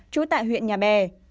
chú tại huyện nhà bè